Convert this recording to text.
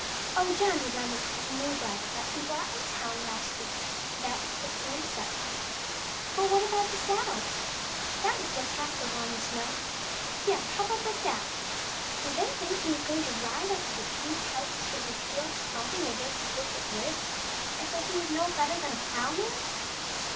Oh, John would lend him the new bridle that he bought in the town last week ; so that was soon settled. But how about the saddle ?— that was what Caspar wanted to know — yes, how about the saddle ? Did they think that he was going to ride up to the king's house with his heels thumping against the horse's ribs as though he were no better than a ploughman